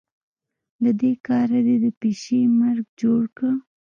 له دې کاره دې د پيشي مرګ جوړ کړ.